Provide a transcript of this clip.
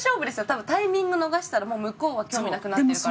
多分タイミング逃したら向こうは興味なくなってるから。